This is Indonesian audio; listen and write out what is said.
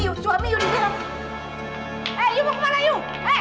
ibu mau bintip mata ibu